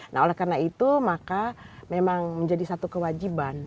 nah oleh karena itu maka memang menjadi satu kewajiban